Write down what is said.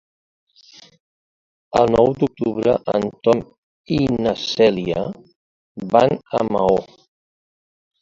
El nou d'octubre en Tom i na Cèlia van a Maó.